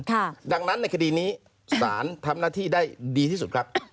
ดังนั้นในคดีนี้สารทำหน้าที่ได้ดีที่สุดครับ